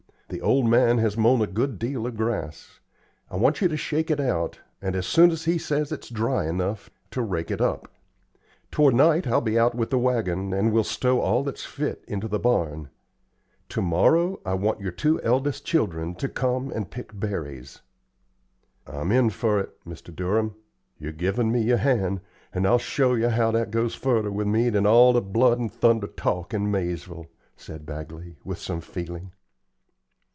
The old man has mown a good deal of grass. I want you to shake it out, and, as soon as he says it's dry enough, to rake it up. Toward night I'll be out with the wagon, and we'll stow all that's fit into the barn. To morrow I want your two eldest children to come and pick berries." "I'm in fer it, Mr. Durham. You've given me your hand, and I'll show yer how that goes furder with me than all the blood and thunder talk in Maizeville," said Bagley, with some feeling.